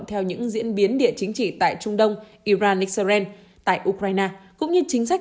theo những diễn biến địa chính trị tại trung đông iran tại ukraine cũng như chính sách